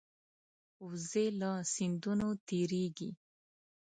وزې له سیندونو تېرېږي